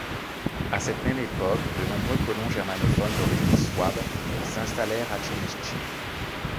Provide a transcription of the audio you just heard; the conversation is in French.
À cette même époque, de nombreux colons germanophones d'origine souabe s'installèrent à Ciumești.